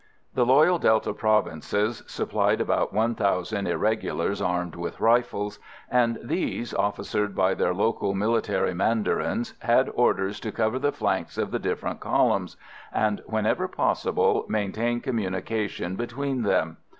The loyal Delta provinces supplied about one thousand irregulars armed with rifles, and these, officered by their local military mandarins, had orders to cover the flanks of the different columns, and, whenever possible, maintain communication between them.